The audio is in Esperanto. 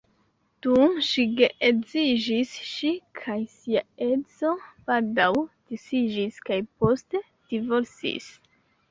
Dum ŝi geedziĝis, ŝi kaj sia edzo baldaŭ disiĝis kaj poste divorcis.